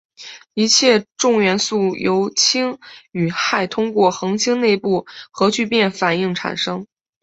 一切重元素由氢与氦通过恒星内部核聚变反应产生。